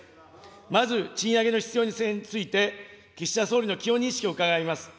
まず賃上げの必要性について、岸田総理の基本認識を伺います。